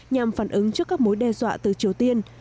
nhằm phản ứng trước các mối đe dọa từ triều tiên